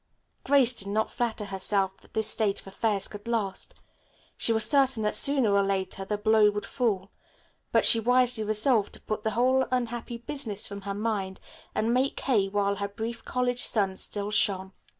Grace did not flatter herself that this state of affairs could last; she was certain that, sooner or later, the blow would fall, but she wisely resolved to put the whole unhappy business from her mind and make hay while her brief college sun still shone.